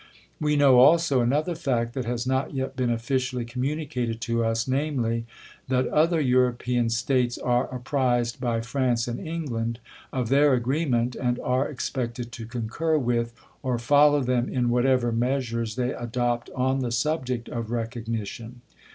We know also another fact that has not yet been officially communicated to us, namely, that other European States are apprized by France and England of their agreement and are ex pected to coucm with or follow them in whatever meas ures they adopt on the subject of recognition.